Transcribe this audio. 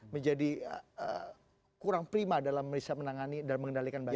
menjadi kurang prima dalam bisa menangani dan mengendalikan banjir